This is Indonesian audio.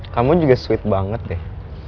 kamu juga sweet banget deh